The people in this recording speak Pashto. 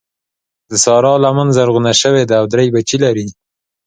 د سارا لمن زرغونه شوې ده او درې بچي لري.